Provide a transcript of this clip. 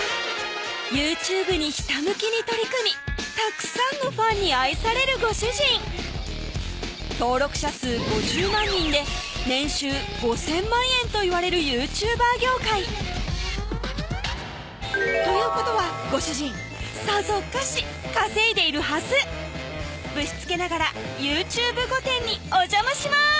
ＹｏｕＴｕｂｅにひたむきに取り組みたくさんのファンに愛されるご主人登録者数５０万人で年収５，０００万円といわれるＹｏｕＴｕｂｅｒ業界ということはご主人さぞかし稼いでいるはずぶしつけながらＹｏｕＴｕｂｅ御殿にお邪魔します！